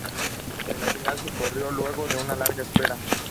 La final se corrió luego de una larga espera.